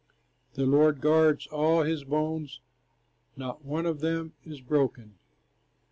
The Lord guards all his bones, Not one of them is broken.